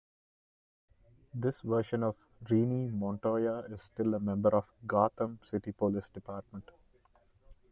This version of Renee Montoya is still a member of Gotham City Police Department.